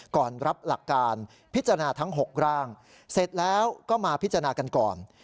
ก่อนรับหลักการพิจารณาทั้ง๖ร่างเสร็จแล้วก็มาพิจารณากันก่อน